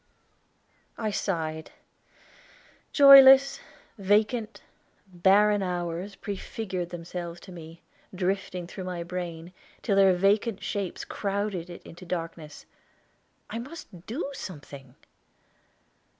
I sighed. Joyless, vacant, barren hours prefigured themselves to me, drifting through my brain, till their vacant shapes crowded it into darkness. I must do something!